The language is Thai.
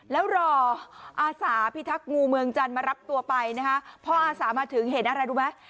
แล้วรออาสาพิทักษ์งูเมืองจันทร์มารับตัวไปนะคะพออาสามาถึงเห็นอะไรรู้ไหม